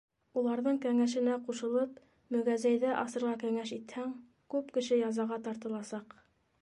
Уларҙың кәңәшенә ҡушылып, мөгәзәйҙе асырға кәңәш итһәң, күп кеше язаға тартыласаҡ.